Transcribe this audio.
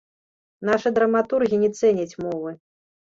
Нашы драматургі не цэняць мовы.